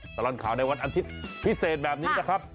ตลอดข่าวในวันอาทิตย์พิเศษแบบนี้นะครับ